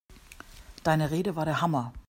Deine Rede war der Hammer!